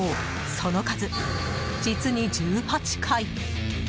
その数、実に１８回。